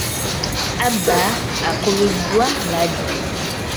Aba akubiddwa laddu.